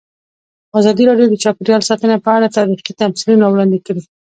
ازادي راډیو د چاپیریال ساتنه په اړه تاریخي تمثیلونه وړاندې کړي.